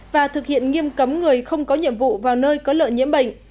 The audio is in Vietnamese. và thực hiện nghiêm cấm người không có nhiệm vụ vào nơi có lợn nhiễm bệnh